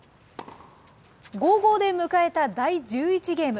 ５ー５で迎えた第１１ゲーム。